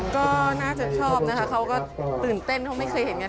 ก็น่าจะชอบนะคะเขาก็ตื่นเต้นเขาไม่เคยเห็นไง